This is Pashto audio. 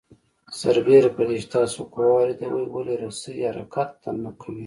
سربېره پر دې چې تاسو قوه واردوئ ولې رسۍ حرکت نه کوي؟